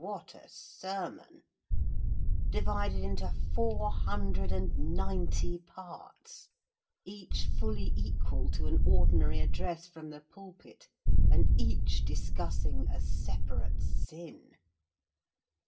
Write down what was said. what a sermon; divided into four hundred and ninety parts, each fully equal to an ordinary address from the pulpit, and each discussing a separate sin!